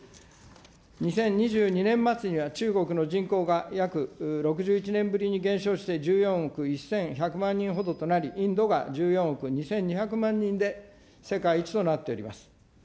２０２２年末には、中国の人口が約６１年ぶりに減少して１４億１１００万人ほどとなり、インドが１４億２２００万人で、世界一となっております。